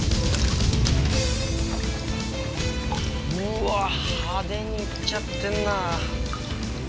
うわ派手にいっちゃってるな。